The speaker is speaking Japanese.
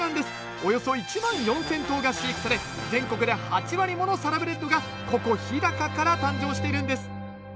およそ１万４，０００頭が飼育され全国で８割ものサラブレッドがここ日高から誕生しているんです。